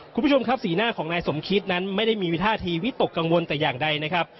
คุณผู้ชมครับสีหน้าของนายสมคิดนั้นไม่ได้มีวิท่าทีวิตกกังวลแต่อย่างใดนะครับ